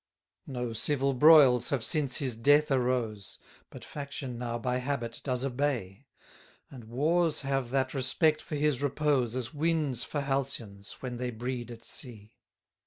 36 No civil broils have since his death arose, But faction now by habit does obey; And wars have that respect for his repose, As winds for halcyons, when they breed at sea.